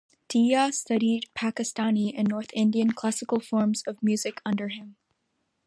Deeyah studied Pakistani and North Indian classical forms of music under him.